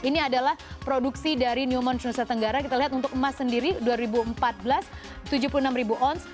ini adalah produksi dari newmont nusa tenggara kita lihat untuk emas sendiri dua ribu empat belas tujuh puluh enam ribu oz